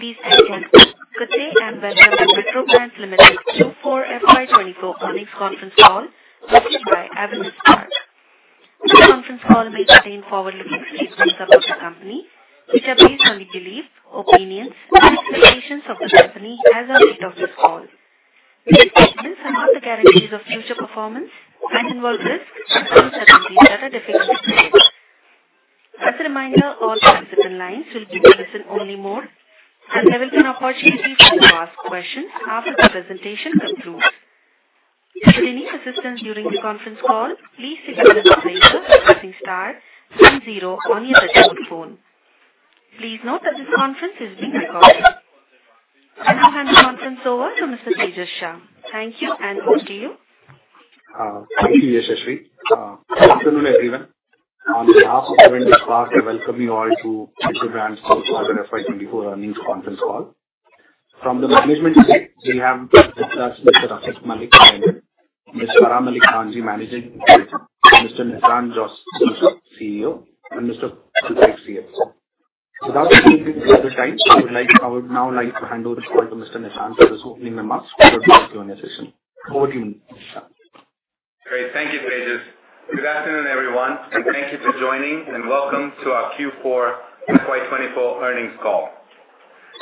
Please stand by. Good day, welcome to Metro Brands Limited Q4 FY 2024 earnings conference call hosted by Avendus Spark. This conference call may contain forward-looking statements about the company, which are based on the beliefs, opinions, and expectations of the company as of the date of this call. These statements are not guarantees of future performance and involve risks and uncertainties that are difficult to predict. As a reminder, all participant lines will be in listen-only mode. There will be an opportunity for you to ask questions after the presentation concludes. If you need assistance during the conference call, please signal an operator by pressing star 70 on your touch-tone phone. Please note that this conference is being recorded. I now hand the conference over to Mr. Tejas Shah. Thank you, over to you. Thank you, Shashri. Good afternoon, everyone. On behalf of Avendus Spark, I welcome you all to Metro Brands' Q4 FY 2024 earnings conference call. From the management side, we have with us Mr. Alisha Malik, Managing Director, Mr. Nissan Joseph, CEO, and Mr. Kaushal, CFO. I would now like to hand over the call to Mr. Nissan for his opening remarks for the Q&A session. Over to you, Nissan. Great. Thank you, Tejas. Good afternoon, everyone. Thank you for joining and welcome to our Q4 FY 2024 earnings call.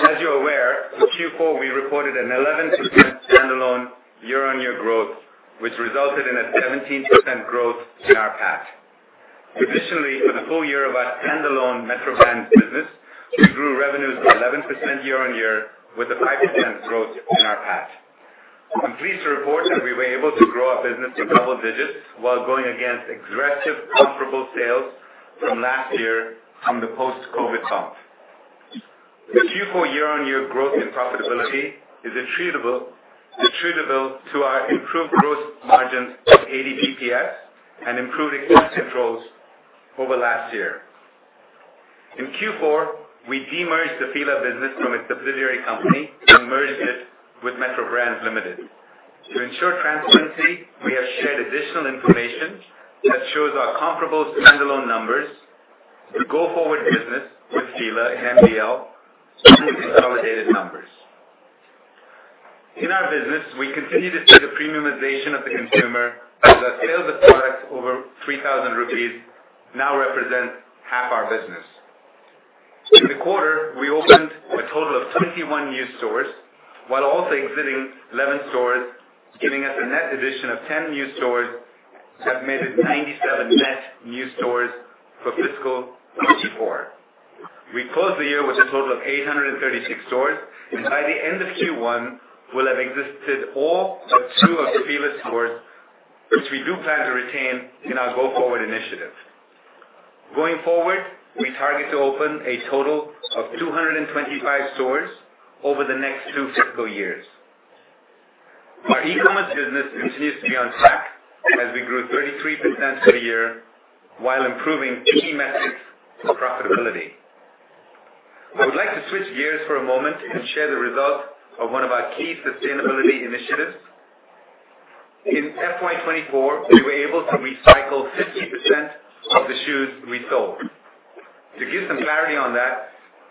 As you're aware, for Q4, we reported an 11% standalone year-on-year growth, which resulted in a 17% growth in our PAT. Additionally, for the full year of our standalone Metro Brands business, we grew revenues by 11% year-on-year with a 5% growth in our PAT. I'm pleased to report that we were able to grow our business in double digits while going against aggressive comparable sales from last year from the post-COVID comp. The Q4 year-on-year growth and profitability is attributable to our improved gross margins of 80 BPS and improved expense controls over last year. In Q4, we de-merged the Fila business from its subsidiary company and merged it with Metro Brands Limited. To ensure transparency, we have shared additional information that shows our comparable standalone numbers, the go-forward business with Fila and MBL, consolidated numbers. In our business, we continue to see the premiumization of the consumer as our sale of the product over 3,000 rupees now represents half our business. In the quarter, we opened a total of 21 new stores while also exiting 11 stores, giving us a net addition of 10 new stores that made it 97 net new stores for fiscal 2024. We closed the year with a total of 836 stores. By the end of Q1, we'll have exited all but two of the Fila stores, which we do plan to retain in our go-forward initiative. Going forward, we target to open a total of 225 stores over the next two fiscal years. Our e-commerce business continues to be on track as we grew 33% for the year while improving key metrics profitability. I would like to switch gears for a moment and share the results of one of our key sustainability initiatives. In FY 2024, we were able to recycle 50% of the shoes we sold. To give some clarity on that,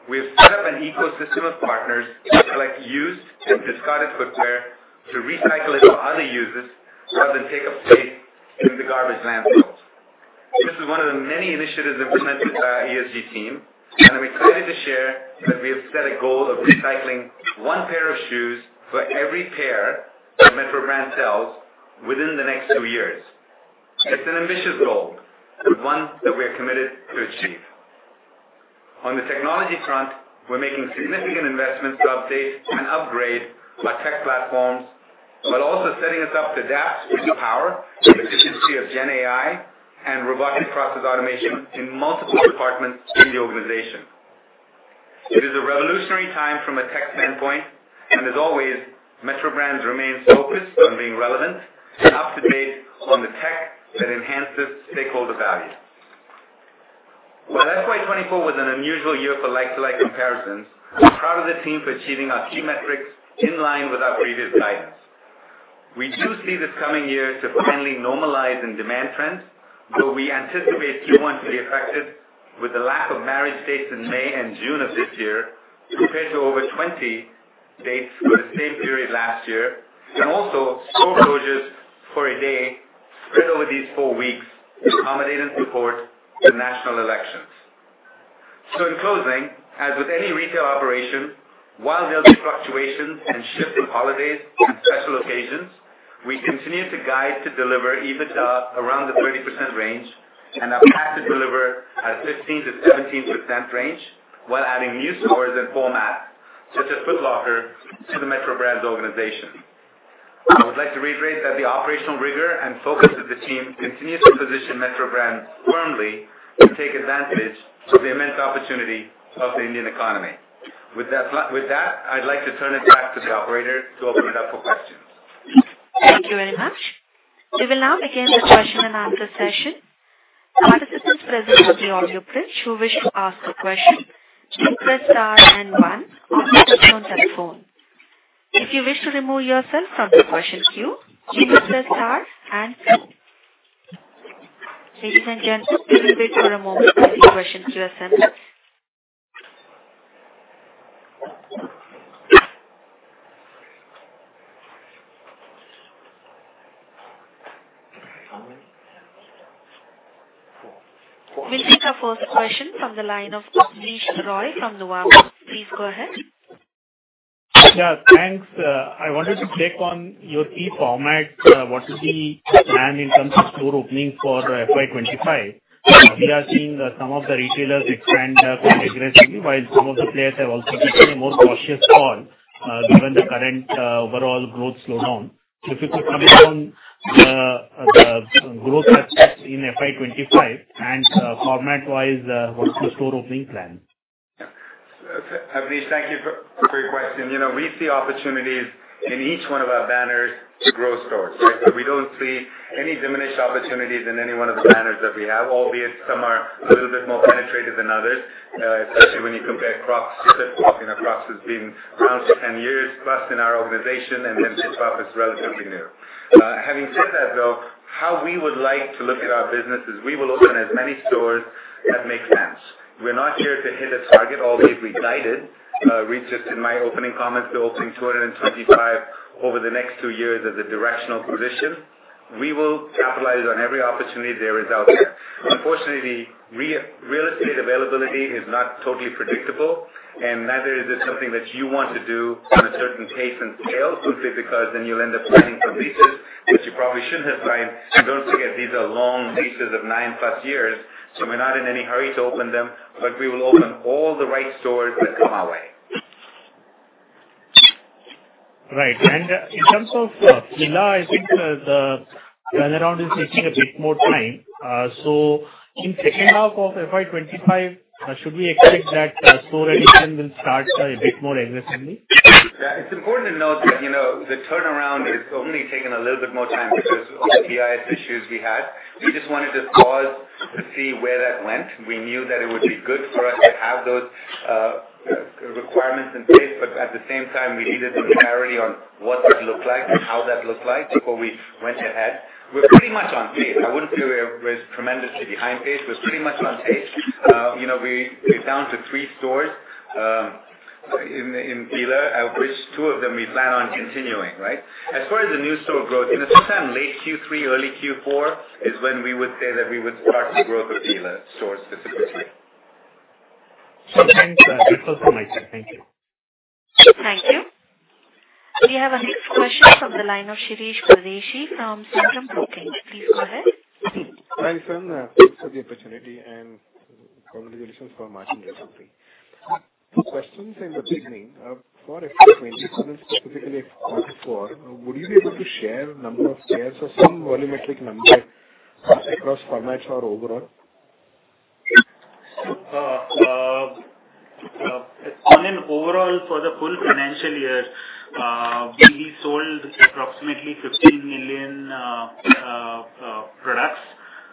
we have set up an ecosystem of partners to collect used and discarded footwear to recycle it for other uses rather than take up space in the garbage landfills. This is one of the many initiatives implemented by our ESG team, and I am excited to share that we have set a goal of recycling one pair of shoes for every pair that Metro Brands sells within the next two years. It is an ambitious goal, but one that we are committed to achieve. On the technology front, we are making significant investments to update and upgrade our tech platforms, while also setting us up to adapt with the power and efficiency of Generative AI and robotic process automation in multiple departments in the organization. It is a revolutionary time from a tech standpoint, as always, Metro Brands remains focused on being relevant and up-to-date on the tech that enhances stakeholder value. FY 2024 was an unusual year for like-to-like comparisons, I am proud of the team for achieving our key metrics in line with our previous guidance. We do see this coming year to finally normalize in demand trends, though we anticipate Q1 to be affected with the lack of marriage dates in May and June of this year compared to over 20 dates for the same period last year, also store closures for a day spread over these four weeks to accommodate and support the national elections. In closing, as with any retail operation, while there will be fluctuations and shifts in holidays and special occasions, we continue to guide to deliver EBITDA around the 30% range and our PAT to deliver at 15%-17% range while adding new stores and formats such as Foot Locker to the Metro Brands organization. I would like to reiterate that the operational rigor and focus of the team continues to position Metro Brands firmly to take advantage of the immense opportunity of the Indian economy. With that, I would like to turn it back to the operator to open it up for questions. Thank you very much. We will now begin the question and answer session. For participants present on the audio bridge who wish to ask a question, please press star and one on your touch-tone phone. If you wish to remove yourself from the question queue, you may press star and two. Ladies and gentlemen, we will wait for a moment for any questions to assemble. We'll take our first question from the line of Avnish Roy from Nomura. Please go ahead. Yeah, thanks. I wanted to check on your key format, what is the plan in terms of store opening for FY 2025? We are seeing some of the retailers expand quite aggressively, while some of the players have also taken a more cautious call, given the current overall growth slowdown. If you could comment on the growth aspects in FY 2025 and format-wise, what's the store opening plan? Avnish, thank you for your question. We see opportunities in each one of our banners to grow stores. We don't see any diminished opportunities in any one of the banners that we have, albeit some are a little bit more penetrative than others, especially when you compare Crocs to FitFlop. Crocs has been around for 10 years plus in our organization, and then FitFlop is relatively new. Having said that, though, how we would like to look at our business is we will open as many stores that make sense. We're not here to hit a target, albeit we guided. Reached just in my opening comments, we're opening 225 over the next two years as a directional position. We will capitalize on every opportunity there is out there. Unfortunately, real estate availability is not totally predictable, and neither is it something that you want to do on a certain pace and scale quickly, because then you'll end up planning for leases that you probably shouldn't have planned. Don't forget, these are long leases of nine plus years, so we're not in any hurry to open them, but we will open all the right stores that come our way. Right. In terms of Fila, I think the turnaround is taking a bit more time. In second half of FY 2025, should we expect that store addition will start a bit more aggressively? Yeah. It's important to note that the turnaround is only taking a little bit more time because of the BIS issues we had. We just wanted to pause to see where that went. We knew that it would be good for us to have those requirements in place, at the same time, we needed some clarity on what that looked like and how that looked like before we went ahead. We're pretty much on pace. I wouldn't say we're tremendously behind pace. We're pretty much on pace. We're down to 3 stores in Fila, out of which 2 of them we plan on continuing. As far as the new store growth, sometime late Q3, early Q4 is when we would say that we would start to grow the Fila stores specifically. Thanks. That's all from my side. Thank you. Thank you. We have our next question from the line of Shirish Kureshi from Centrum Broking. Please go ahead. Hi, Nissan. Thanks for the opportunity, congratulations for a remarkable company. Two questions in the beginning. For FY 2020, then specifically FY 2024, would you be able to share number of pairs or some volumetric numbers across formats or overall? On an overall for the full financial year, we sold approximately 15 million products.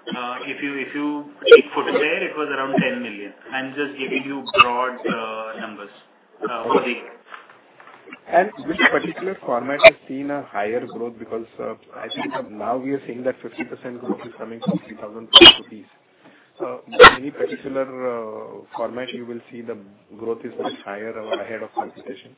If you take footwear, it was around 10 million. I'm just giving you broad numbers over the year. Which particular format has seen a higher growth? Because I think now we are seeing that 50% growth is coming from 3,000 rupees plus. Any particular format you will see the growth is much higher or ahead of competition?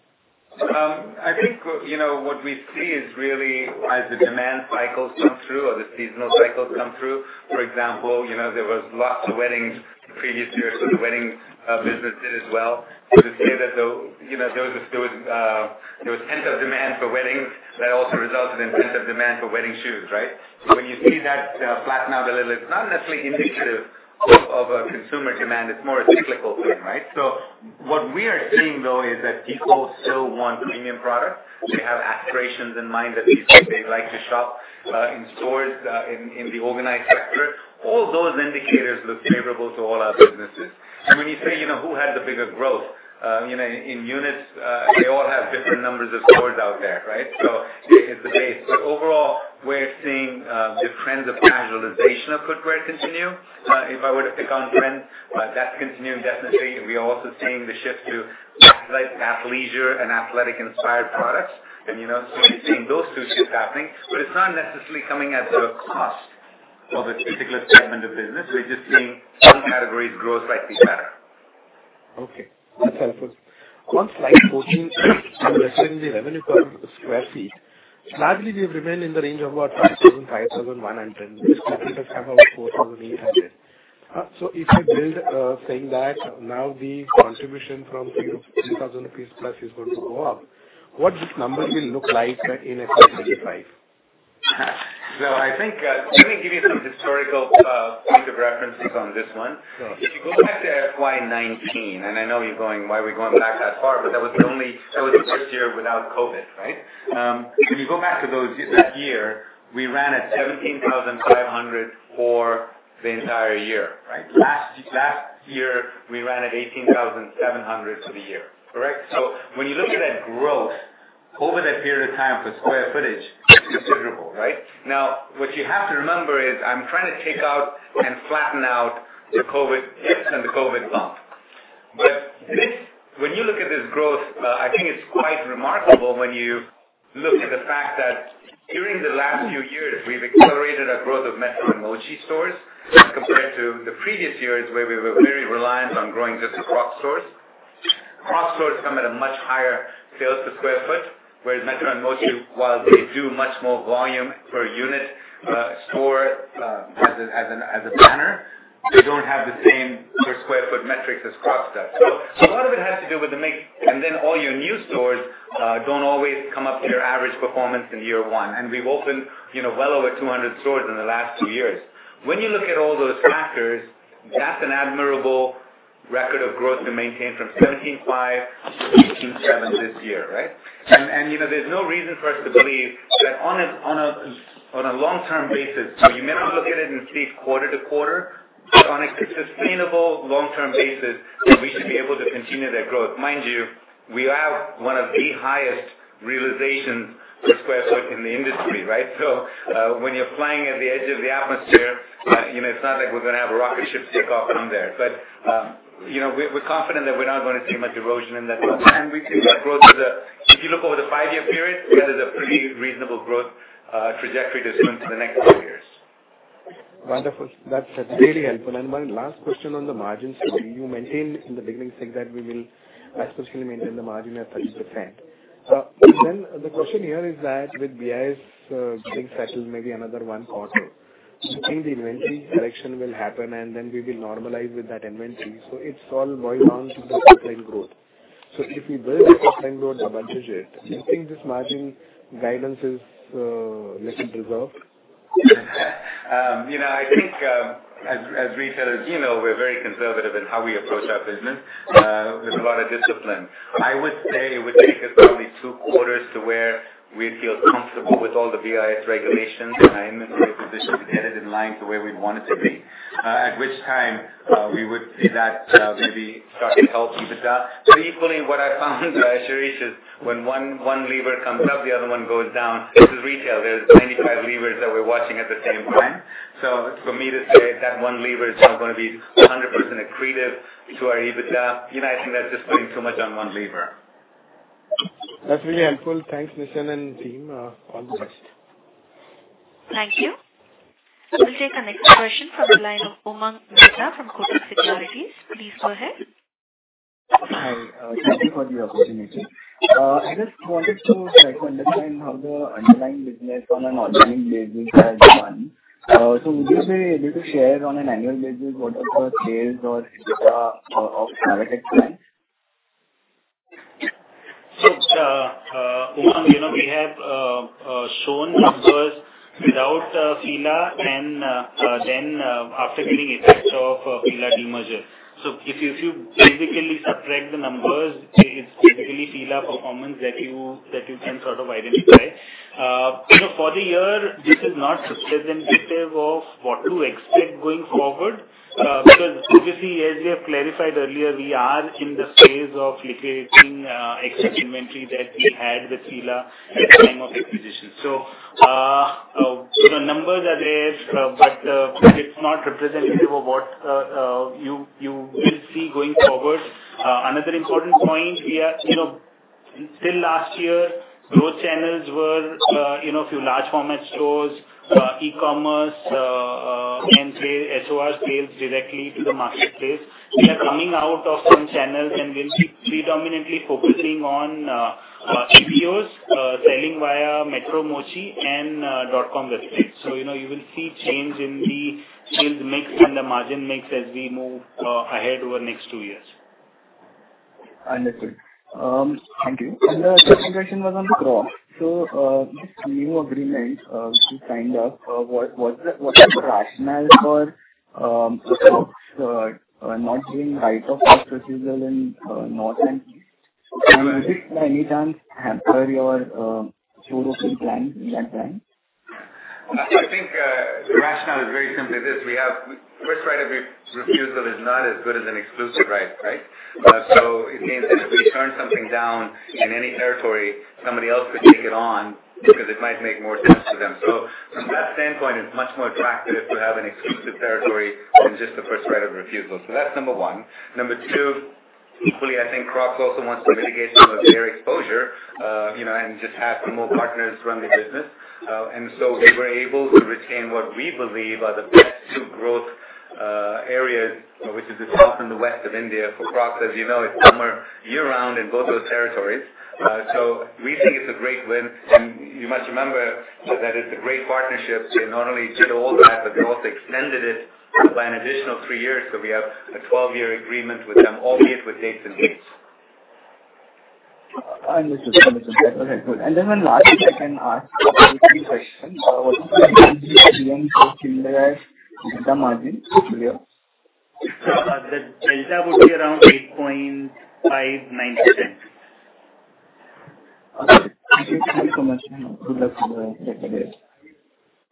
I think what we see is really as the demand cycles come through or the seasonal cycles come through. For example, there was lots of weddings the previous year, the wedding business did as well. To say that there was a pent-up demand for weddings that also resulted in pent-up demand for wedding shoes. When you see that flatten out a little, it's not necessarily indicative of a consumer demand, it's more a cyclical thing. What we are seeing, though, is that people still want premium products. They have aspirations in mind that they like to shop in stores in the organized sector. All those indicators look favorable to all our businesses. When you say, who had the bigger growth, in units, they all have different numbers of stores out there. It's the base. Overall, we're seeing the trends of casualization of footwear continue. If I were to pick on trends, that's continuing definitely. We are also seeing the shift to athleisure and athletic-inspired products. We're seeing those two shifts happening, but it's not necessarily coming at the cost of a particular segment of business. We're just seeing some categories grow slightly better. Okay. That's helpful. On slide 14, you mentioned the revenue per square feet. Lastly, we have remained in the range of what, 5,000, 5,100. This quarter we have about 4,800. If you build saying that now the contribution from 3,000 rupees plus is going to go up, what this number will look like in FY 2025? I think let me give you some historical points of references on this one. Sure. If you go back to FY 2019, I know you're going, "Why are we going back that far?" That was the first year without COVID. When you go back to that year, we ran at 17,500 for the entire year. Last year, we ran at 18,700 for the year. Correct? When you look at that growth over that period of time for square footage, it's considerable. Now, what you have to remember is I'm trying to take out and flatten out the COVID dips and the COVID bump. But when you look at this growth, I think it's quite remarkable when you look at the fact that during the last few years, we've accelerated our growth of Metro and Mochi stores as compared to the previous years, where we were very reliant on growing just the Crocs stores. Crocs stores come at a much higher sales per square foot, whereas Metro and Mochi, while they do much more volume per unit store as a banner, they don't have the same per square foot metrics as Crocs does. A lot of it has to do with the mix, and then all your new stores don't always come up to your average performance in year one. We've opened well over 200 stores in the last two years. When you look at all those factors, that's an admirable record of growth to maintain from 17.5 to 18.7 this year, right? There's no reason for us to believe that on a long-term basis, you may not look at it and see it quarter to quarter, but on a sustainable long-term basis, that we should be able to continue that growth. Mind you, we have one of the highest realization per square foot in the industry, right? When you're playing at the edge of the atmosphere, it's not like we're going to have a rocket ship take off from there. We're confident that we're not going to see much erosion in that front. If you look over the five-year period, that is a pretty reasonable growth trajectory to assume for the next few years. Wonderful. That's really helpful. One last question on the margins. You maintained in the beginning, saying that we will especially maintain the margin at 30%. The question here is that with BIS being settled maybe another one quarter, do you think the inventory correction will happen and then we will normalize with that inventory? It's all boiled down to the top-line growth. If we build the top-line growth above budget, do you think this margin guidance is less preserved? I think as retailers, we're very conservative in how we approach our business with a lot of discipline. I would say it would take us probably two quarters to where we'd feel comfortable with all the BIS regulations and I am in a position to get it in line to where we'd want it to be. At which time we would see that maybe start to help EBITDA. Equally, what I found, Shireesh, is when one lever comes up, the other one goes down. This is retail. There's many five levers that we're watching at the same time. For me to say that one lever is now going to be 100% accretive to our EBITDA, I think that's just putting too much on one lever. That's really helpful. Thanks, Nissan and team. All the best. Thank you. We'll take our next question from the line of Umang Mittal from Kotak Securities. Please go ahead. Hi. Thank you for the opportunity. I just wanted to try to understand how the underlying business on an ongoing basis has done. Would you say, able to share on an annual basis what are the sales or EBITDA of Metro Brands? Sure. Umang, we have shown numbers without Fila and then after giving effect of Fila demerger. If you basically subtract the numbers, it's basically Fila performance that you can sort of identify. For the year, this is not representative of what to expect going forward because obviously, as we have clarified earlier, we are in the phase of liquidating excess inventory that we had with Fila at the time of acquisition. The numbers are there, but it's not representative of what you will see going forward. Another important point, till last year, growth channels were a few large format stores, e-commerce, and SOR sales directly to the marketplace. We are coming out of some channels, and we'll be predominantly focusing on EBOs selling via Metro, Mochi, and .com directly. You will see change in the sales mix and the margin mix as we move ahead over the next two years. Understood. Thank you. The second question was on Crocs. This new agreement to find out what was the rationale for Crocs not giving right of first refusal in north and east? Will this by any chance hamper your store opening plans in that time? I think the rationale is very simply this. First right of refusal is not as good as an exclusive right? It means that if we turn something down in any territory, somebody else could take it on because it might make more sense to them. From that same point, it's much more attractive to have an exclusive territory than just the first right of refusal. That's number 1. Number 2, equally, I think Crocs also wants to mitigate some of their exposure, and just have some more partners run the business. They were able to retain what we believe are the best two growth areas, which is the south and the west of India for Crocs. As you know, it's summer year-round in both those territories. We think it's a great win. You must remember that it's a great partnership to not only get all that, but they also extended it by an additional three years. We have a 12-year agreement with them, albeit with dates in between. Understood. That's okay. Good. Then one last, if I can ask a quick question. What is the delta GM for similar item EBITDA margin? The delta would be around 8.5, 9%. Okay. Thank you so much. Good luck for the rest of the day.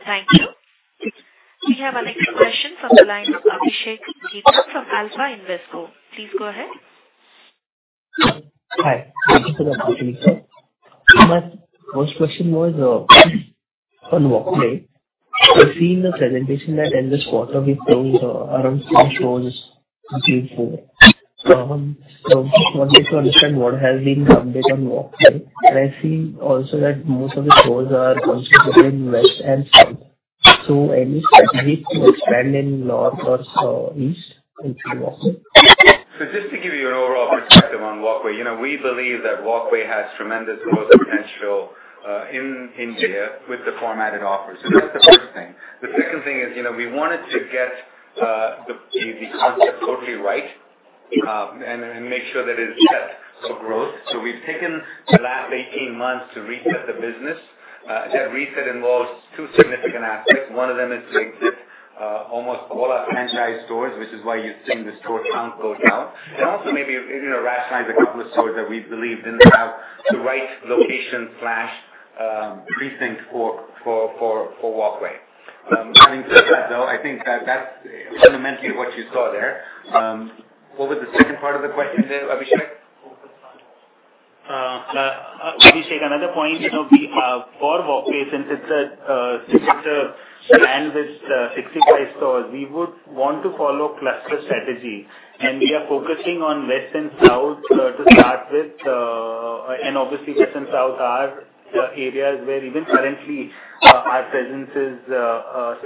Thank you. We have our next question from the line of Abhishek Gita from Alpha Investco. Please go ahead. Hi, thank you for the opportunity, sir. My first question was on Walkway. I've seen the presentation that end this quarter with those around six stores completed four. Just wanted to understand what has been the update on Walkway. I see also that most of the stores are concentrated in west and south. Any strategy to expand in north or east into Walkway? Just to give you an overall perspective on Walkway. We believe that Walkway has tremendous growth potential in India with the formatted offer. That's the first thing. The second thing is, we wanted to get the concept totally right, and make sure that it is set for growth. We've taken the last 18 months to reset the business. That reset involves two significant aspects. One of them is to exit almost all our franchise stores, which is why you're seeing the store count go down, and also maybe even rationalize a couple of stores that we believe didn't have the right location/precinct for Walkway. Having said that, though, I think that's fundamentally what you saw there. What was the second part of the question there, Abhishek? Abhishek, another point, for Walkway, since it's a brand with 65 stores, we would want to follow cluster strategy, we are focusing on west and south to start with. Obviously, west and south are areas where even currently our presence is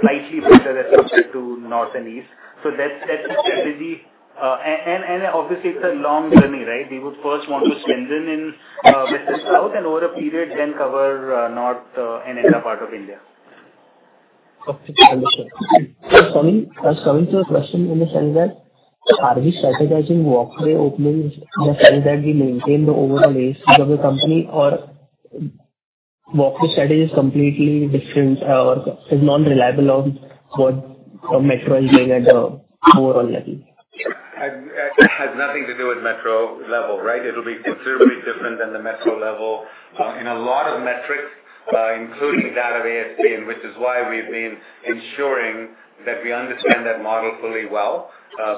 slightly better as compared to north and east. That's the strategy, obviously it's a long journey, right? We would first want to strengthen in west and south and over a period then cover north and east part of India. Okay. Understood. I was coming to a question in the sense that, are we strategizing Walkway openings in the sense that we maintain the overall ASP of the company or Walkway strategy is completely different or is non-reliable on what Metro is doing at the overall level? It has nothing to do with Metro level, right? It'll be considerably different than the Metro level in a lot of metrics, including that of ASP, and which is why we've been ensuring that we understand that model fully well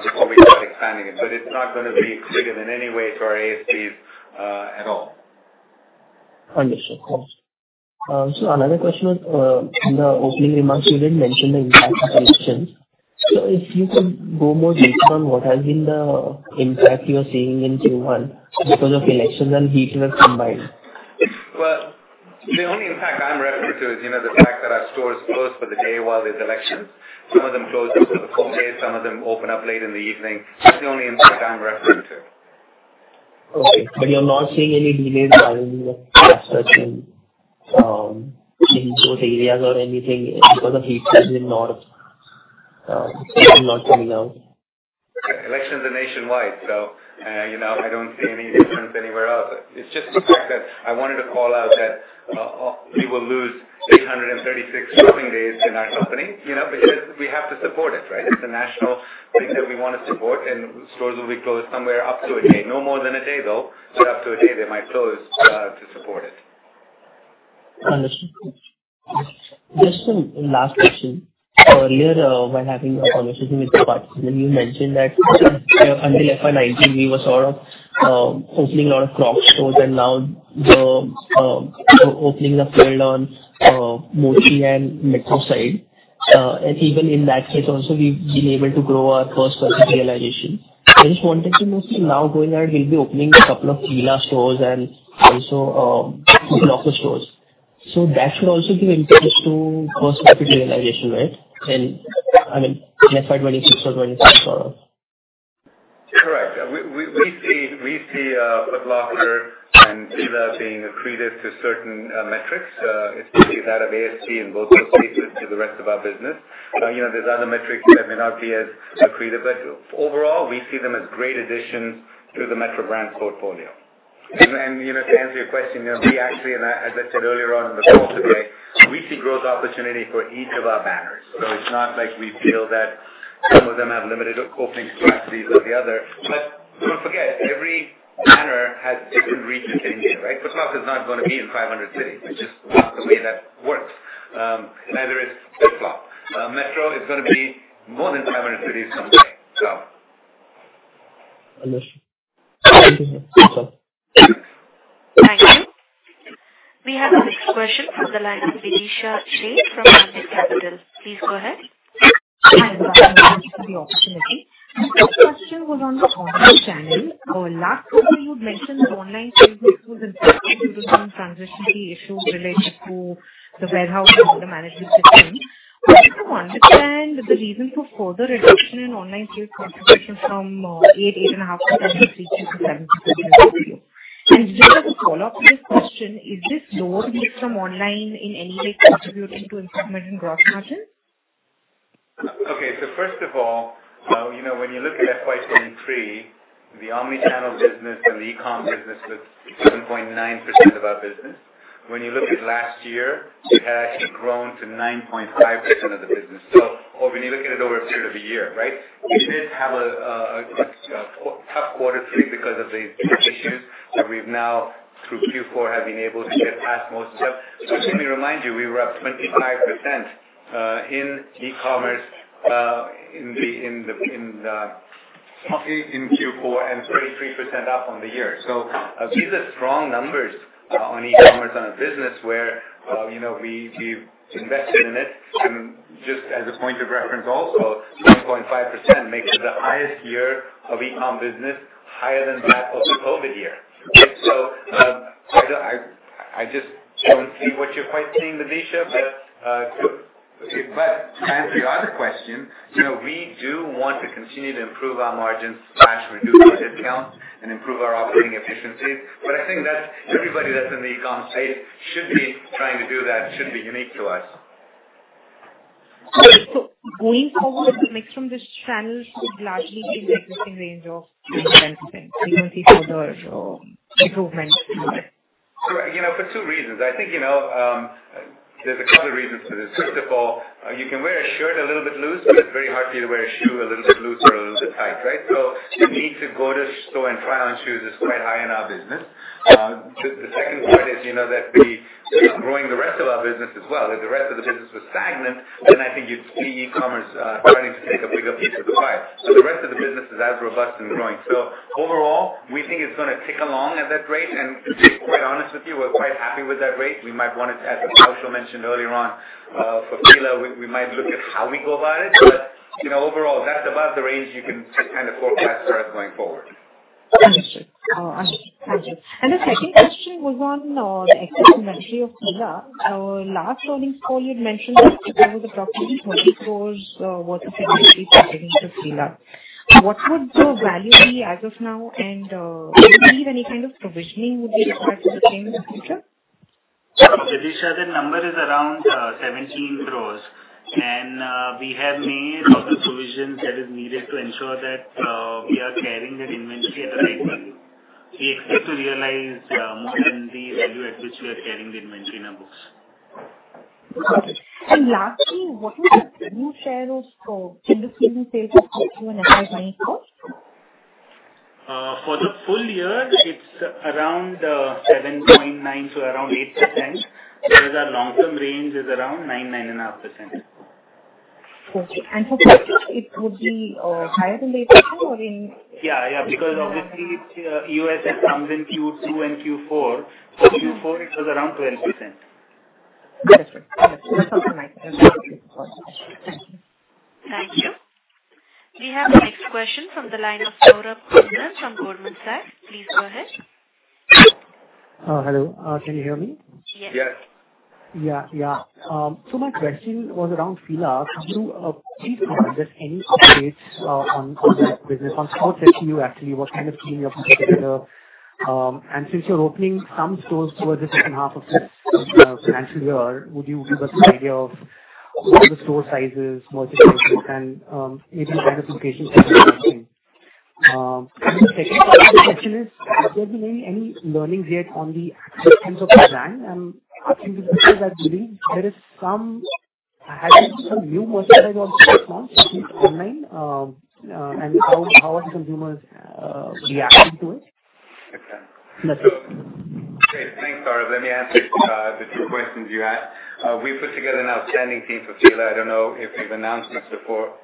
before we start expanding it. It's not going to be accretive in any way to our ASPs at all. Understood. Another question was, in the opening remarks, you did mention the impact of elections. If you could go more detail on what has been the impact you are seeing in Q1 because of elections and heat wave combined. Well, the only impact I'm referring to is the fact that our stores closed for the day while there's elections. Some of them closed for the full day, some of them open up late in the evening. That's the only impact I'm referring to. Okay. Are you not seeing any delays because of such things in those areas or anything because of heat wave in North? Sales not coming out? Elections are nationwide. I don't see any difference anywhere else. It's just the fact that I wanted to call out that we will lose 836 shopping days in our company because we have to support it, right? It's a national thing that we want to support, and stores will be closed somewhere up to a day. No more than a day, though, but up to a day, they might close to support it. Understood. Just some last question. Earlier, when having a conversation with Parth, when you mentioned that until FY 2019, we were sort of opening a lot of Crocs stores, and now the openings are failed on mostly and Metro side. Even in that case also, we've been able to grow our first purchase realization. I just wanted to know, now going ahead, we'll be opening a couple of Fila stores and also Foot Locker stores. That should also give impetus to first purchase realization, right? In FY 2026 or 2027 sort of. Correct. We see Foot Locker and Fila being accretive to certain metrics, especially that of ASP in both those cases to the rest of our business. There's other metrics that may not be as accretive, but overall, we see them as great additions to the Metro Brands portfolio. To answer your question, we actually, as I said earlier on in the call today, we see growth opportunity for each of our banners. It's not like we feel that some of them have limited opening strategies or the other. Don't forget, every banner has a different reach in India, right? Foot Locker is not going to be in 500 cities. It's just not the way that works. Neither is Foot Locker. Metro is going to be more than 500 cities someday. Understood. Thank you, sir. Thank you. We have our next question from the line of Vidisha Sheikh from Qube Capital. Please go ahead. Hi. Thank you for the opportunity. My first question was on the omnichannel. Last quarter you had mentioned that online sales growth was impacted due to some transition key issues related to the warehouse and order management system. I wanted to understand the reasons for further reduction in online sales contribution from 8%, 8.5% to 7% in Q1. Just as a follow-up to this question, is this lower mix from online in any way contributing to improvement in gross margin? Okay. First of all, when you look at FY 2023, the omnichannel business and the e-com business was 7.9% of our business. When you look at last year, it had grown to 9.5% of the business. When you look at it over a period of a year, right? We did have a tough quarter three because of these issues that we've nowThrough Q4 have been able to get past most stuff. Let me remind you, we were up 25% in e-commerce in Q4 and 33% up on the year. These are strong numbers on e-commerce, on a business where we've invested in it. Just as a point of reference also, 20.5% makes it the highest year of e-com business higher than that of the COVID year. I just don't see what you're quite seeing, Vidisha. To answer your other question, we do want to continue to improve our margins slash reduce our discounts and improve our operating efficiencies. I think that everybody that's in the e-com space should be trying to do that, shouldn't be unique to us. Going forward, the mix from this channel would largely be the existing range of 20%, we won't see further improvements in this? For two reasons. I think there's a couple reasons for this. First of all, you can wear a shirt a little bit loose, but it's very hard for you to wear a shoe a little bit loose or a little bit tight, right? The need to go to the store and try on shoes is quite high in our business. The second point is that we are growing the rest of our business as well. If the rest of the business was stagnant, I think you'd see e-commerce starting to take a bigger piece of the pie. The rest of the business is as robust and growing. Overall, we think it's going to tick along at that rate. To be quite honest with you, we're quite happy with that rate. As Kaushal mentioned earlier on, for Fila, we might look at how we go about it, overall, that's about the range you can kind of forecast for us going forward. Understood. The second question was on excess inventory of Fila. Our last earnings call you'd mentioned that there was approximately 30 crores worth of inventory pertaining to Fila. What would the value be as of now? Do you believe any kind of provisioning would be required for the same in the future? Vidisha, that number is around 17 crore, we have made all the provisions that is needed to ensure that we are carrying that inventory at the right value. We expect to realize more than the value at which we are carrying the inventory in our books. Okay. Lastly, what would be the revenue share of industry sales of Fila in FY 2024? For the full year, it's around 7.9%-8%, whereas our long-term range is around 9%-9.5%. Okay. For Q4, it would be higher than 8%. Yeah. Because obviously, E.O.S.S. comes in Q2 and Q4. Q4, it was around 12%. Understood. That's all from my end. Thank you. Thank you. We have the next question from the line of Saurabh Kundan from Goldman Sachs. Please go ahead. Hello, can you hear me? Yes. Yes. Yeah. My question was around Fila. Could you please provide just any updates on that business, on store set view actually, what kind of team you have put together? Since you're opening some stores towards the second half of this financial year, would you give us an idea of what the store size is, merchandise mix, and maybe the kind of locations that you're opening? The second part of the question is, has there been any learnings yet on the acceptance of the brand? I'm asking because I believe there has been some new merchandise also launched, at least online. How are the consumers reacting to it? Okay. That's it. Okay, thanks, Saurabh. Let me answer the two questions you asked. We put together an outstanding team for Fila. I don't know if we've announced this before.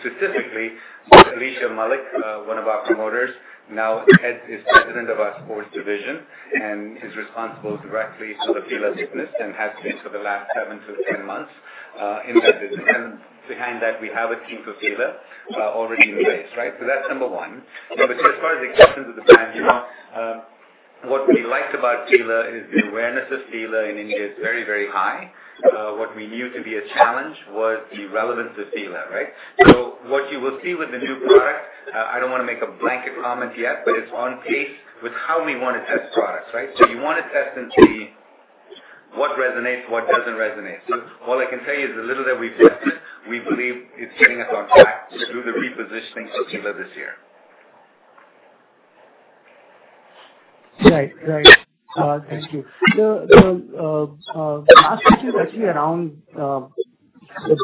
Specifically, Alisha Malik, one of our promoters, now is president of our sports division and is responsible directly for the Fila business and has been for the last seven to 10 months in that business. Behind that, we have a team for Fila already in place. That's number one. As far as acceptance of the brand, what we liked about Fila is the awareness of Fila in India is very high. What we knew to be a challenge was the relevance of Fila, right? What you will see with the new product, I don't want to make a blanket comment yet, but it's on pace with how we want to test products. You want to test and see what resonates, what doesn't resonate. All I can tell you is the little that we've tested, we believe it's getting us on track to do the repositioning for Fila this year. Right. Thank you. The last question is actually around the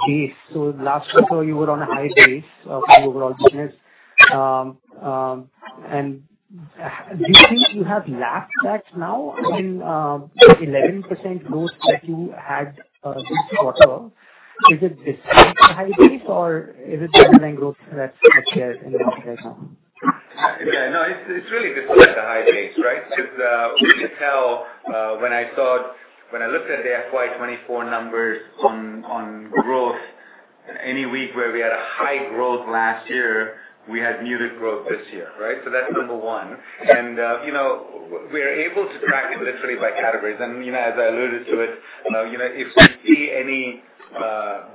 base. Last quarter, you were on a high base for your overall business. Do you think you have lapped that now in 11% growth that you had this quarter? Is it despite the high base or is it the kind of growth that's expected in the market right now? Yeah, no, it's really despite the high base. We could tell when I looked at the FY 2024 numbers on growth, any week where we had a high growth last year, we had muted growth this year. That's number 1. We are able to track it literally by categories. As I alluded to it, if we see any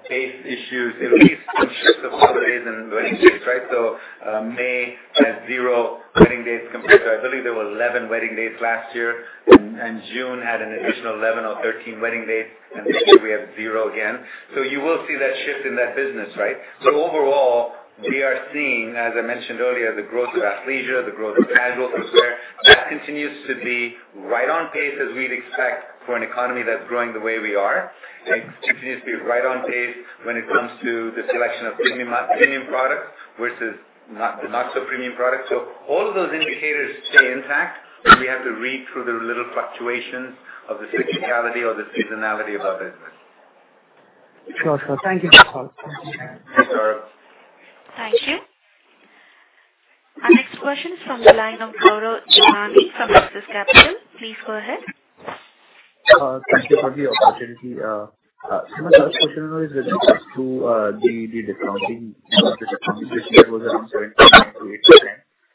base issues, it'll be shifts of holidays and wedding dates. May had 0 wedding dates compared to, I believe there were 11 wedding dates last year, and June had an additional 11 or 13 wedding dates. This year we have 0 again. You will see that shift in that business. Overall, we are seeing, as I mentioned earlier, the growth of our athleisure, the growth of casual footwear. That continues to be right on pace as we'd expect for an economy that's growing the way we are. It continues to be right on pace when it comes to the selection of premium products versus not so premium products. All of those indicators stay intact, but we have to read through the little fluctuations of the cyclicality or the seasonality of our business. Sure. Thank you for the call. Thanks, Gaurav. Thank you. Our next question is from the line of Gaurav Jani from Axis Capital. Please go ahead. Thank you for the opportunity. My first question is related to the discounting that was around 7%-8%,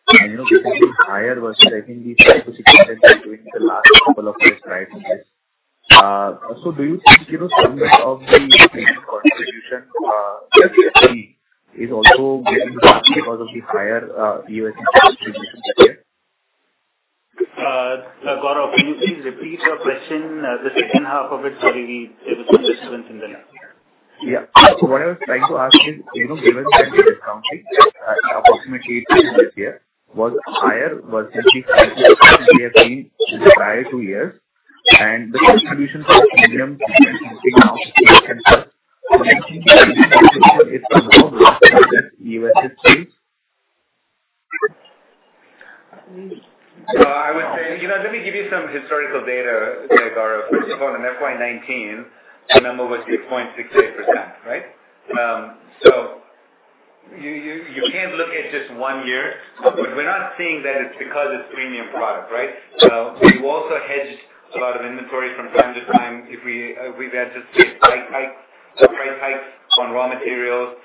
and definitely higher versus I think the 5%-6% between the last couple of fiscal years. Do you think some of the premium contribution actually is also getting masked because of the higher ASP discount this year? Gaurav, can you please repeat your question? The second half of it, sorry, it was just broken in the middle. What I was trying to ask is, given that the discounting approximately was higher versus the 5%-6% we have seen in the prior two years, and the contribution from the premium segment is now 8%. Do you think the discounting is for now because of U.S. history? Let me give you some historical data there, Gaurav. First of all, in FY 2019, the number was 6.68%, right? You can't look at just one year. We're not seeing that it's because it's a premium product, right? We've also hedged a lot of inventory from time to time. If we've had just price hikes on raw materials,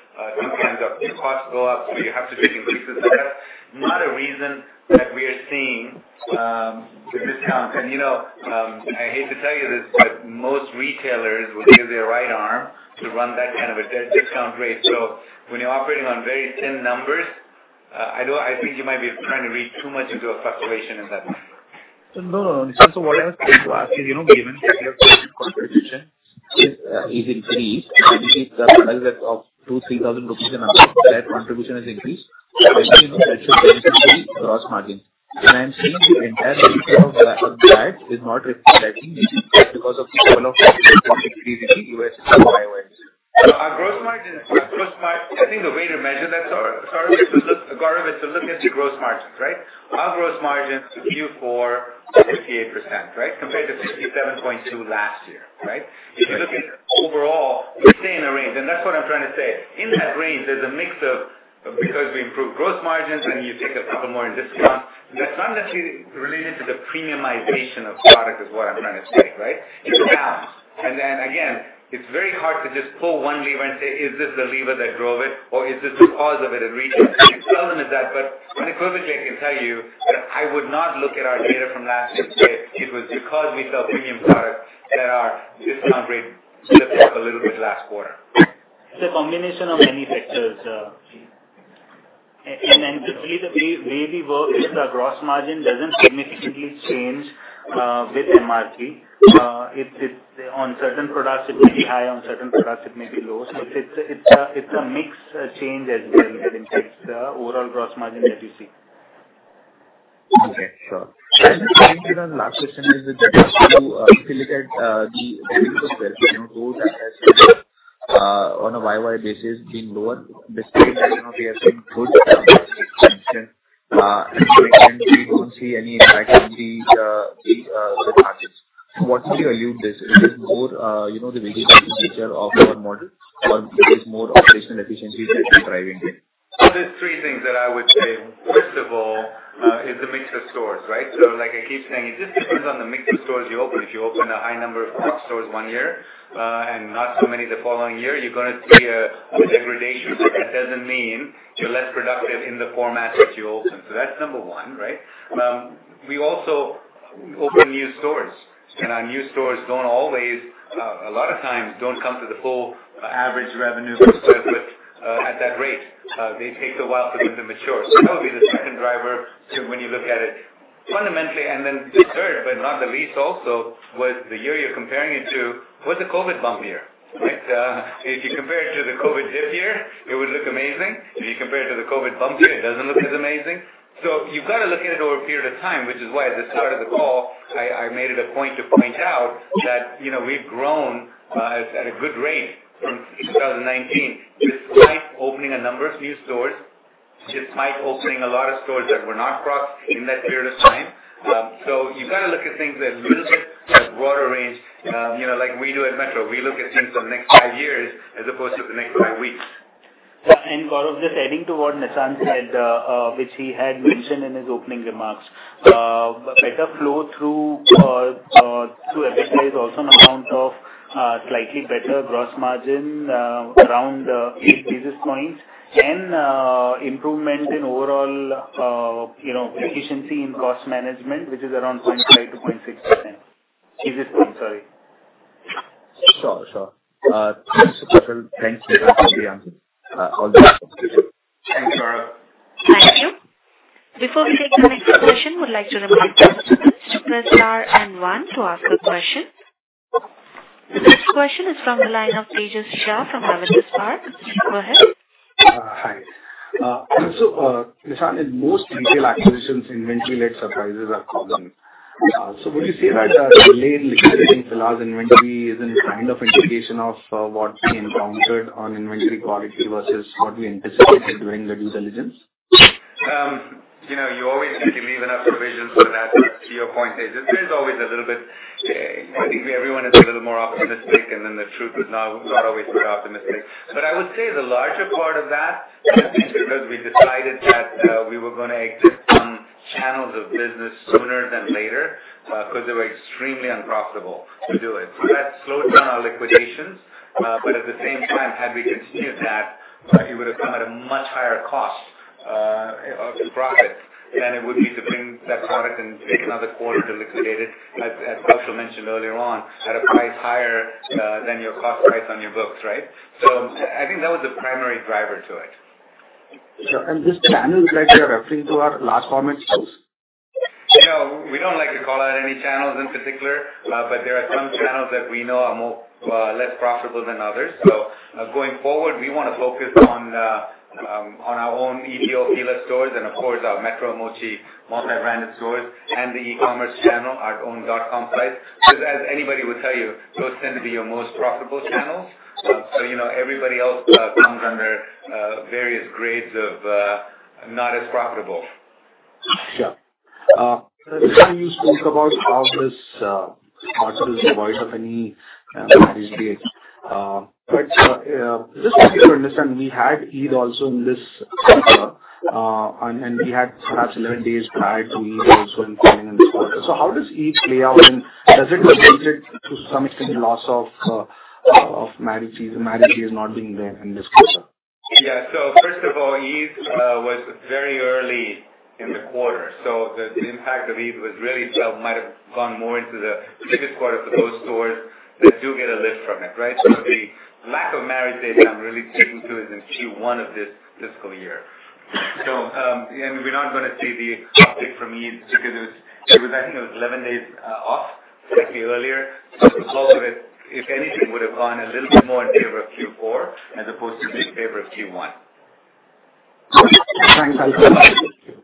sometimes our costs go up, you have to take increases. That's not a reason that we are seeing the discount. I hate to tell you this, but most retailers would give their right arm to run that kind of a discount rate. When you're operating on very thin numbers, I think you might be trying to read too much into a fluctuation in that number. No. What I was trying to ask is, given your premium contribution is increased, say, the size of INR 2,000, INR 3,000 and above, that contribution has increased. That should benefit the gross margin. I'm seeing the entire picture of that is not reflecting, maybe because of the development you've seen recently, U.S. and year-over-year. I think the way to measure that, Gaurav, is to look at the gross margins, right? Our gross margins Q4, 58%, right? Compared to 67.2% last year. If you look at overall, we stay in the range. That's what I'm trying to say. In that range, there's a mix of because we improved gross margins and you take a couple more in discount. That's not necessarily related to the premiumization of product is what I'm trying to say, right? It's a mix. Then again, it's very hard to just pull one lever and say, "Is this the lever that drove it, or is this the cause of it, the reason?" It's seldom is that. I can tell you that I would not look at our data from last year and say it was because we sell premium products that our discount rate slipped up a little bit last quarter. It's a combination of many factors. The way we work is the gross margin doesn't significantly change with MRP. On certain products it may be high, on certain products it may be low. It's a mix change as well that impacts the overall gross margin that you see. Okay, sure. I think the last question is with regards to if you look at the business itself, growth has on a year-over-year basis been lower despite we have seen good expansion. We don't see any impact on the net margins. What do you attribute this? Is this more the visibility feature of your model, or is this more operational efficiency that you're driving here? There's three things that I would say. First of all is the mix of stores, right? Like I keep saying, it just depends on the mix of stores you open. If you open a high number of stores one year and not so many the following year, you're going to see a degradation. That doesn't mean you're less productive in the format that you open. That's number 1, right? We also open new stores, and our new stores a lot of times don't come to the full average revenue per square foot at that rate. They take a while to become mature. That would be the second driver when you look at it fundamentally. The third, but not the least also, was the year you're comparing it to was the COVID bump year, right? If you compare it to the COVID dip year, it would look amazing. If you compare it to the COVID bump year, it doesn't look as amazing. You've got to look at it over a period of time, which is why at the start of the call, I made it a point to point out that we've grown at a good rate from 2019, despite opening a number of new stores, despite opening a lot of stores that were not Crocs in that period of time. You've got to look at things a little bit broader range like we do at Metro. We look at things the next five years as opposed to the next five weeks. Yeah. Gaurav, just adding to what Nissan said, which he had mentioned in his opening remarks. Better flow through EBITDA is also an account of slightly better gross margin around 8 basis points. Improvement in overall efficiency in cost management, which is around 0.5%-0.6%. Basis points, sorry. Sure. Thanks, Nissan and Shreyans, for all the answers. Thanks, Gaurav. Thank you. Before we take the next question, we would like to remind participants to press star and one to ask a question. The next question is from the line of Tejas Shah from Avendus Spark. Please go ahead. Hi. Nissan, in most retail acquisitions, inventory-led surprises are common. Would you say that the delay in liquidating Fila's inventory is a kind of indication of what we encountered on inventory quality versus what we anticipated during the due diligence? You always need to leave enough provisions for that. To your point, there's always a little bit I think everyone is a little more optimistic, and then the truth is not always very optimistic. I would say the larger part of that is because we decided that we were going to exit some channels of business sooner than later because they were extremely unprofitable to do it. That slowed down our liquidations. At the same time, had we continued that, it would have come at a much higher cost of profit than it would be to bring that product and take another quarter to liquidate it, as also mentioned earlier on, at a price higher than your cost price on your books, right? I think that was the primary driver to it. Sure. These channels that you're referring to are large format stores? No, we don't like to call out any channels in particular, there are some channels that we know are less profitable than others. Going forward, we want to focus on our own EBO dealer stores and, of course, our Metro Mochi multi-branded stores and the e-commerce channel, our own .com site. As anybody will tell you, those tend to be your most profitable channels. Everybody else comes under various grades of not as profitable. Sure. This time you spoke about how this quarter is devoid of any marriage dates. Just for me to understand, we had Eid also in this quarter, and we had perhaps 11 days prior to Eid also in Q1 and so on. How does Eid play out, and does it relate it to some extent loss of marriage season, marriage season not being there in this quarter? Yeah. First of all, Eid was very early in the quarter. The impact of Eid might have gone more into the biggest quarter for those stores that do get a lift from it, right? The lack of marriage season I'm really speaking to is in Q1 of this fiscal year. We're not going to see the uptick from Eid because I think it was 11 days off, slightly earlier. The flow of it, if anything, would have gone a little bit more in favor of Q4 as opposed to being in favor of Q1. Thanks. I appreciate it.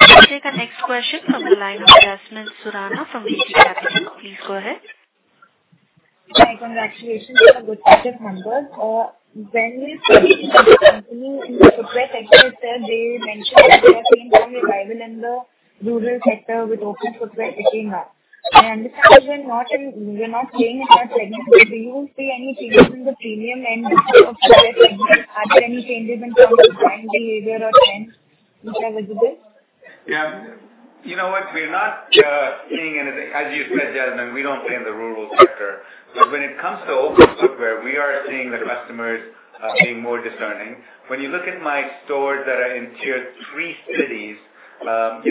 We'll take our next question from the line of Yasmin Surana from ICICI Securities. Please go ahead. Hi. Congratulations on good quarter numbers. When we speak to other company in the footwear sector, they mention that they are seeing some revival in the rural sector with open footwear picking up. This quarter you're not playing in that segment. Do you see any changes in the premium end of footwear segment? Are there any changes in customer spending behavior or trend which are visible? Yeah. You know what? We're not seeing anything. As you said, Yasmin, we don't play in the rural sector. When it comes to open footwear, we are seeing the customers being more discerning. When you look at my stores that are in tier 3 cities, 15%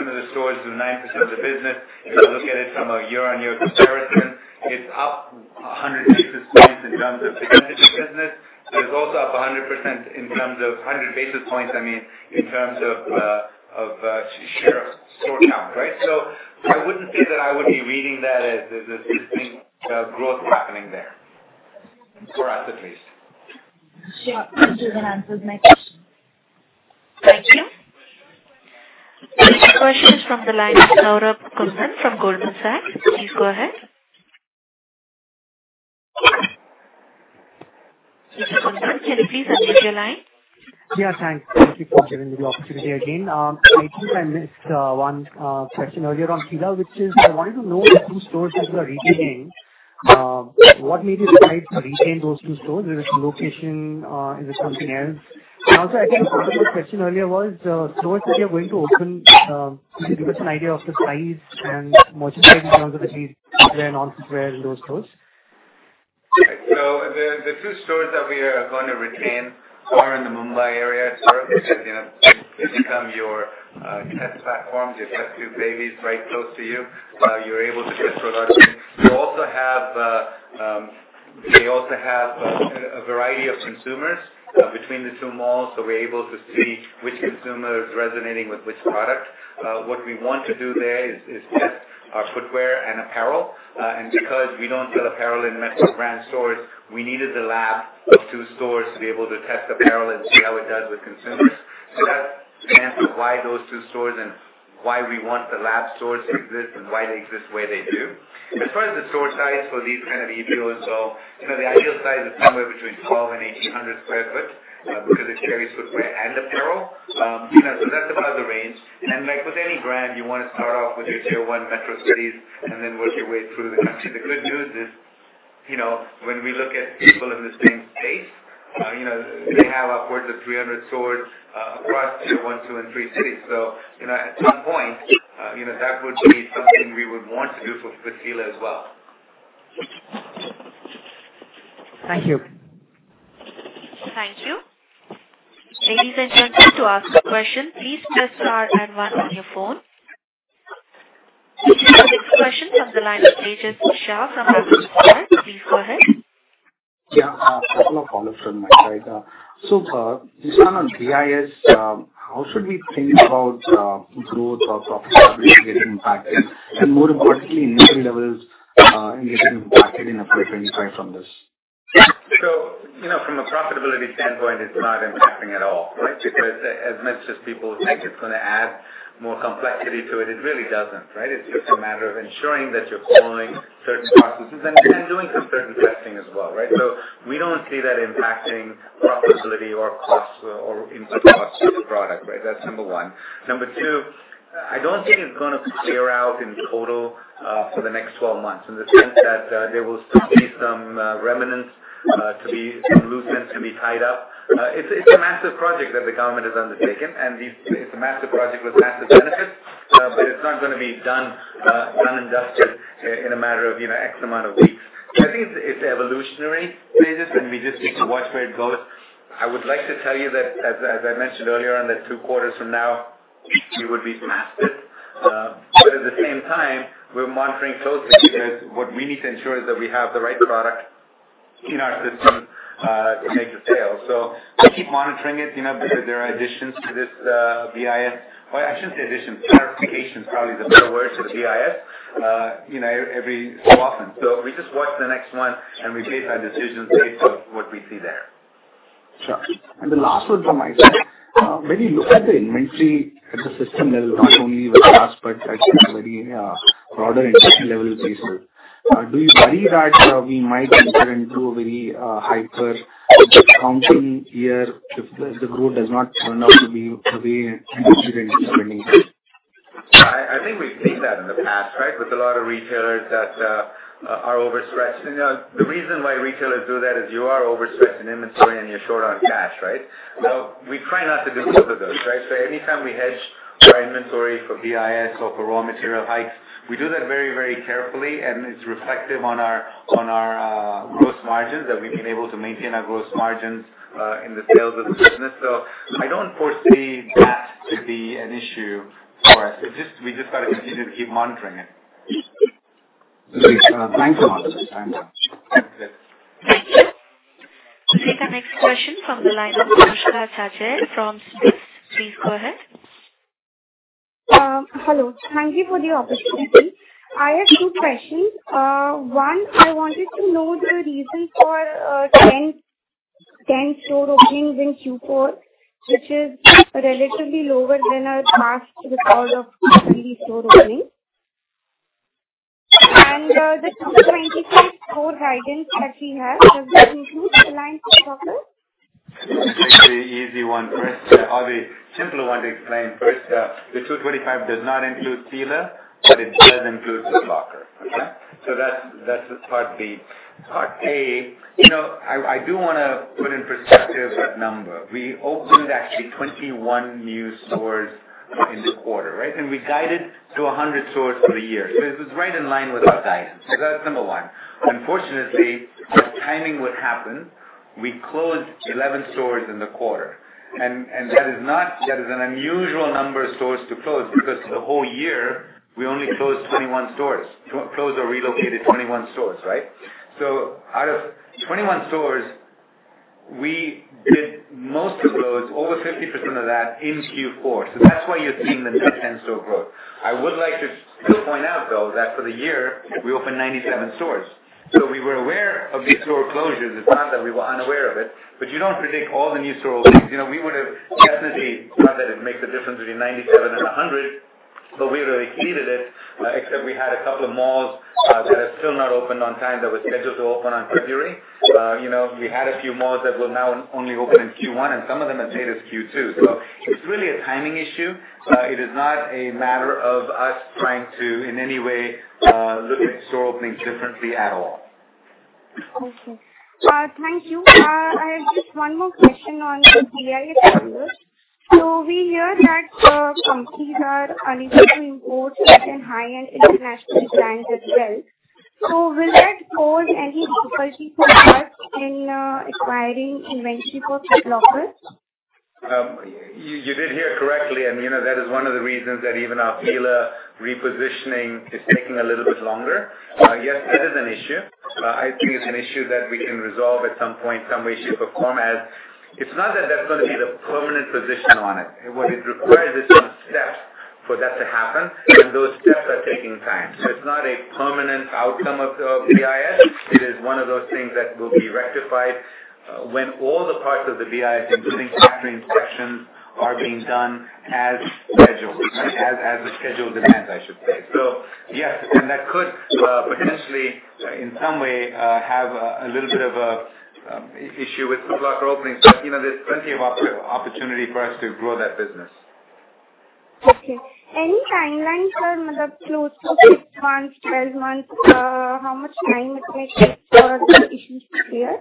of the stores do 9% of the business. If you look at it from a year-on-year comparison, it's up 100 basis points in terms of percentage of business. It is also up 100 basis points in terms of share of store count, right? I wouldn't say that I would be reading that as there's been growth happening there. For us, at least. Sure. Thank you. That answers my question. Thank you. Next question is from the line of Saurabh Kundan from Goldman Sachs. Please go ahead. Mr. Kundan, can you please unmute your line? Yeah, thanks. Thank you for giving me the opportunity again. I think I missed one question earlier on Fila, which is, I wanted to know the two stores which were retained, what made you decide to retain those two stores? Is it location? Is it something else? Also, I think the second question earlier was stores that you're going to open, could you give us an idea of the size and merchandise in terms of the footwear and non-footwear in those stores? The two stores that we are going to retain are in the Mumbai area. They become your test platforms. You have two babies right close to you. You're able to test products. They also have a variety of consumers between the two malls, so we're able to see which consumer is resonating with which product. What we want to do there is test our footwear and apparel. Because we don't sell apparel in Metro Brands stores, we needed the lab of two stores to be able to test apparel and see how it does with consumers. That's to answer why those two stores and why we want the lab stores to exist and why they exist the way they do. As far as the store size for these kind of EBOs, the ideal size is somewhere between 1,200 and 1,800 sq ft because it carries footwear and apparel. That's about the range. Like with any brand, you want to start off with your tier 1 metro cities and then work your way through the country. The good news is, when we look at people in the same space, they have upwards of 300 stores across tier 1, 2, and 3 cities. At some point, that would be something we would want to do for Fila as well. Thank you. Thank you. Ladies and gentlemen, to ask a question, please press star and one on your phone. Next question from the line of Tejas Shah from Axis Finance. Please go ahead. Yeah. A couple of follow-ups from my side. Nissan, on BIS, how should we think about growth or profitability getting impacted, and more importantly, inventory levels getting impacted in a different way from this? From a profitability standpoint, it's not impacting at all, right? Because as much as people think it's going to add more complexity to it really doesn't, right? It's just a matter of ensuring that you're following certain processes and concerned testing as well, right? We don't see that impacting profitability or costs or into costs of the product, right? That's number 1. Number 2, I don't think it's going to clear out in total for the next 12 months in the sense that there will still be some remnants, some loose ends to be tied up. It's a massive project that the government has undertaken, and it's a massive project with massive benefits. It's not going to be done and dusted in a matter of X amount of weeks. I think it's evolutionary phases, and we just need to watch where it goes. I would like to tell you that, as I mentioned earlier, that two quarters from now, it would be mastered. At the same time, we're monitoring closely because what we need to ensure is that we have the right product in our system to make the sale. We keep monitoring it, because there are additions to this BIS. Well, I shouldn't say additions. Clarification is probably the better word to BIS every so often. We just watch the next one, and we base our decisions based on what we see there. Sure. The last one from my side. When you look at the inventory at the system level, not only with us, but at a very broader industry level basis, do you worry that we might enter into a very hyper accounting year if the growth does not turn out to be the way anticipated in the beginning? I think we've seen that in the past, right, with a lot of retailers that are overstretched. The reason why retailers do that is you are overstretched in inventory and you're short on cash, right? We try not to do either of those, right? Anytime we hedge our inventory for BIS or for raw material hikes, we do that very carefully, and it's reflective on our gross margins, that we've been able to maintain our gross margins in the sales of the business. I don't foresee that to be an issue for us. We just got to continue to keep monitoring it. Thanks a lot. Okay. We'll take the next question from the line of Anushka Acharya from Swiss. Please go ahead. Hello. Thank you for the opportunity. I have two questions. One, I wanted to know the reason for 10 store openings in Q4, which is relatively lower than our past record of 30 store openings. The 225 store guidance that we have, does that include Foot Locker? The easy one first, or the simpler one to explain first. The 225 does not include Fila, but it does include Foot Locker. Okay? That's part B. Part A, I do want to put in perspective that number. I opened actually 21 new stores in the quarter, right? We guided to 100 stores for the year. It was right in line with our guidance. That's number one. Unfortunately, as timing would happen, we closed 11 stores in the quarter. That is an unusual number of stores to close, because the whole year we only closed 21 stores. Closed or relocated 21 stores, right? Out of 21 stores, we did most of the close, over 50% of that, in Q4. That's why you're seeing the net 10 store growth. I would like to still point out, though, that for the year, we opened 97 stores. We were aware of these store closures. It's not that we were unaware of it, but you don't predict all the new store openings. We would have exceeded it, except we had a couple of malls that have still not opened on time that were scheduled to open on February. We had a few malls that will now only open in Q1, and some of them have made it Q2. It's really a timing issue. It is not a matter of us trying to, in any way, look at store openings differently at all. Okay. Thank you. I have just one more question on the BIS issue. We hear that companies are unable to import certain high-end international brands as well. Will that pose any difficulty for us in acquiring inventory for Foot Locker? You did hear correctly, and that is one of the reasons that even our Fila repositioning is taking a little bit longer. Yes, that is an issue. I think it's an issue that we can resolve at some point, some way, shape, or form as it's not that that's going to be the permanent position on it. What it requires is some steps for that to happen, and those steps are taking time. It's not a permanent outcome of BIS. It is one of those things that will be rectified when all the parts of the BIS, including factory inspections, are being done as scheduled. As the schedule demands, I should say. Yes, and that could potentially, in some way, have a little bit of an issue with Foot Locker openings, but there's plenty of opportunity for us to grow that business. Okay. Any timeline for the close to 6 months, 12 months? How much time it may take for the issues to clear?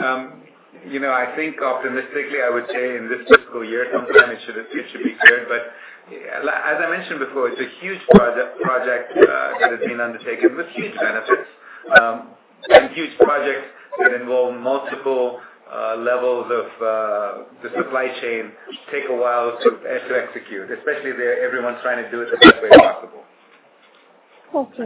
I think optimistically, I would say in this fiscal year sometime it should be cleared. As I mentioned before, it's a huge project that has been undertaken with huge benefits. Huge projects that involve multiple levels of the supply chain take a while to execute, especially where everyone's trying to do it the best way possible. Okay.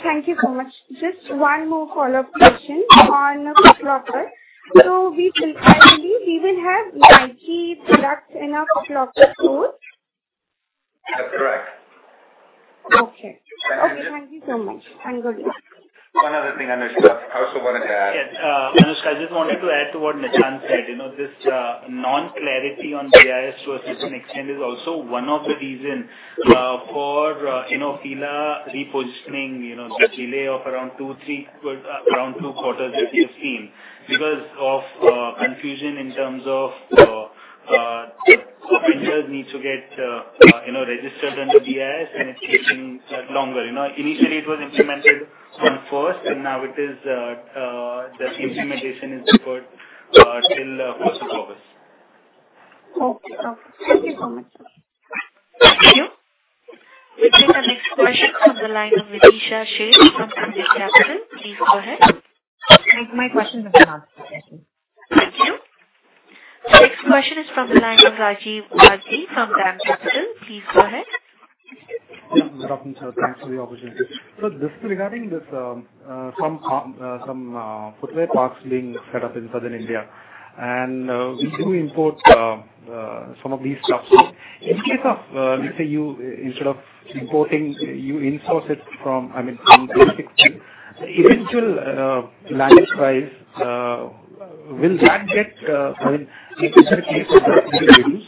Thank you so much. Just one more follow-up question on Foot Locker. We will finally, we will have Nike products in our Foot Locker stores? That's correct. Okay. Thank you. Okay. Thank you so much, and good day. One other thing, Anushka, I also wanted to add. Yes, Anushka, I just wanted to add to what Nissan said. This non-clarity on BIS to a certain extent is also one of the reason for Fila repositioning, the delay of around two quarters that we have seen because of confusion in terms of vendors need to get registered under BIS, and it's taking longer. Initially it was implemented on the 1st, and now the implementation is deferred till 1st of August. Okay. Thank you so much. Thank you. We'll take our next question from the line of Vidisha Sheikh from Qube Capital. Please go ahead. My question has been asked. Thank you. Next question is from the line of Rajiv Bathija from DAM Capital. Please go ahead. Good afternoon, sir. Thanks for the opportunity. Just regarding this, some footwear parks being set up in Southern India and we do import some of these stuffs. In case of, let's say, instead of importing, you in-source it from basic things, eventually, land price, I mean, effective price for us will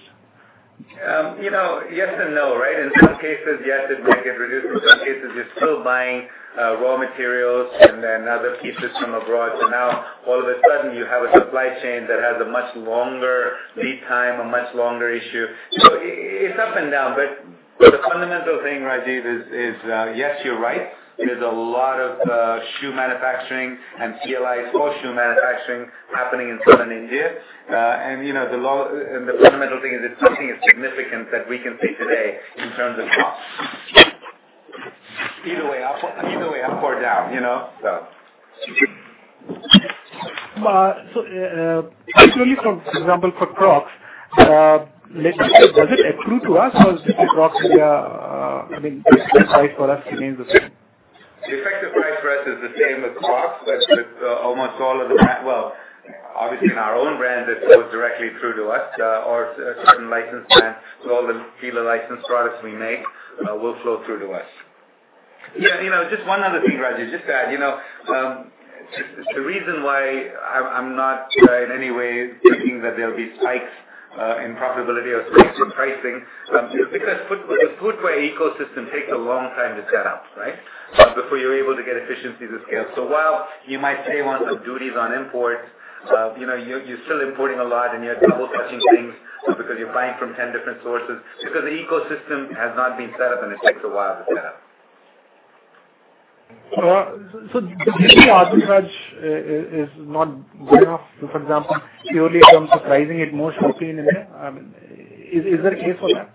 it reduce? Yes and no. In some cases, yes, it might get reduced, but some cases you're still buying raw materials and then other pieces from abroad. Now all of a sudden you have a supply chain that has a much longer lead time, a much longer issue. It's up and down. The fundamental thing, Rajiv, is yes, you're right. There's a lot of shoe manufacturing and CLRI sole shoe manufacturing happening in Southern India. The fundamental thing is something is significant that we can say today in terms of cost, either way up or down. Purely for example, for Crocs, does it accrue to us or since it's Crocs, their effective price for us remains the same. The effective price for us is the same as Crocs, but with almost all of the brand. Obviously in our own brand, it flows directly through to us, or certain license brands. All the Fila-licensed products we make will flow through to us. Yeah, just one other thing, Rajiv, just to add. The reason why I'm not in any way thinking that there'll be spikes in profitability or spikes in pricing, because the footwear ecosystem takes a long time to set up. Before you're able to get efficiencies of scale. While you might pay want some duties on imports, you're still importing a lot, and you're double-touching things because you're buying from 10 different sources because the ecosystem has not been set up and it takes a while to set up. The duty arbitrage is not good enough. For example, purely a form of pricing, it more should be in India. I mean, is there a case for that?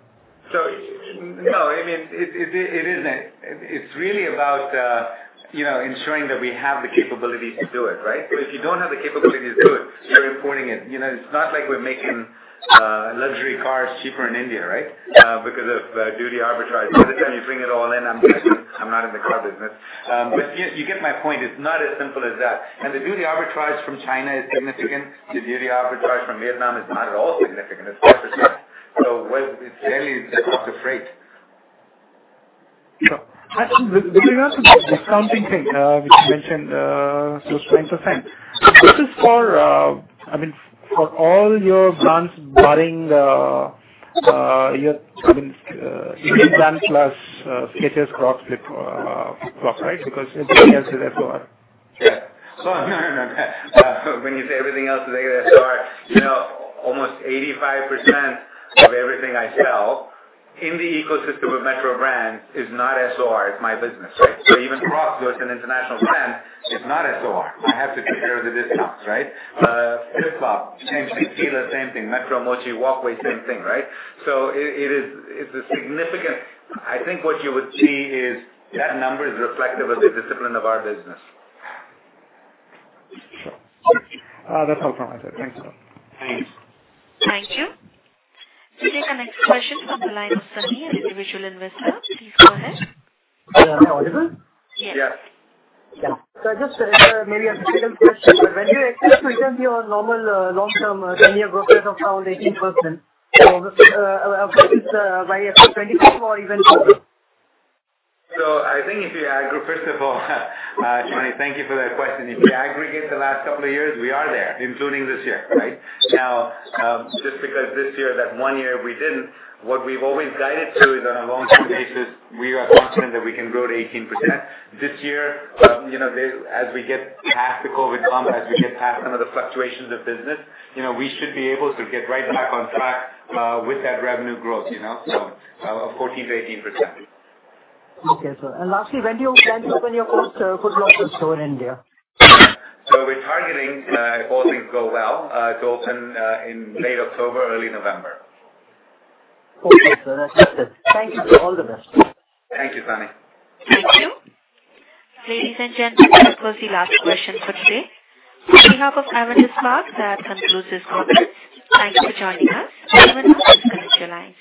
No, it isn't it. It's really about ensuring that we have the capabilities to do it right. Because if you don't have the capabilities to do it, you're importing it. It's not like we're making luxury cars cheaper in India because of duty arbitrage. By the time you bring it all in, I'm not in the car business. You get my point. It's not as simple as that. The duty arbitrage from China is significant. The duty arbitrage from Vietnam is not at all significant. It's quite different. It's mainly the cost of freight. Sure. Actually, with regards to that discounting thing, which you mentioned, those 20%. This is for all your brands barring your main brand plus Skechers, Crocs, FitfFlop, because everything else is SOR. Yeah. When you say everything else is SOR, almost 85% of everything I sell in the ecosystem of Metro Brands is not SOR, it's my business. Even Crocs, though it's an international brand, is not SOR. I have to take care of the discounts. FitFlop, same thing. Fila, same thing. Metro, Mochi, Walkway, same thing. I think what you would see is that number is reflective of the discipline of our business. Sure. That's all from my side. Thanks a lot. Thanks. Thank you. We'll take our next question from the line of Sunny, an individual investor. Please go ahead. Am I audible? Yes. Yes. Just maybe a second question. When do you expect to return to your normal long-term revenue growth rate of around 18%? By FY 2024 or even later? I think if you aggregate, first of all, Sunny, thank you for that question. If you aggregate the last couple of years, we are there, including this year. Now, just because this year, that one year we didn't, what we've always guided to is on a long-term basis, we are confident that we can grow to 18%. This year, as we get past the COVID hump, as we get past some of the fluctuations of business, we should be able to get right back on track with that revenue growth of 14%-18%. Okay, sir. Lastly, when do you plan to open your first Foot Locker store in India? We're targeting, if all things go well, to open in late October, early November. Okay, sir. That's it. Thank you. All the best. Thank you, Sunny. Thank you. Ladies and gentlemen, that was the last question for today. On behalf of Avendus Spark, that concludes this conference. Thank you for joining us. You may disconnect your lines.